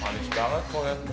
males banget kalau liat muka lo